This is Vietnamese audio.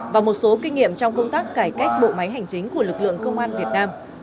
và một số kinh nghiệm trong công tác cải cách bộ máy hành chính của lực lượng công an việt nam